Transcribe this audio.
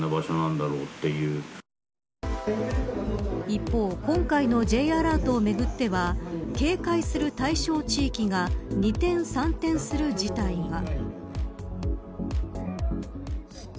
一方、今回のＪアラートをめぐっては警戒する対象地域が二転三転する事態が。